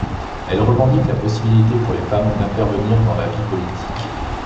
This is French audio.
Elle revendique la possibilité pour les femmes d'intervenir dans la vie politique.